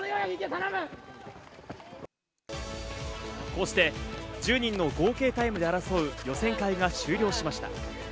こうして１０人の合計タイムで争う予選会が終了しました。